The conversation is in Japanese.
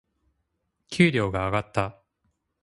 給料が上がった。